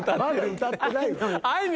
歌ってない。